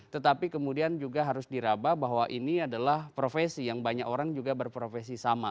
tetapi kemudian juga harus diraba bahwa ini adalah profesi yang banyak orang juga berprofesi sama